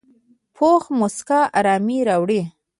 پوخ مسکا آرامي راوړي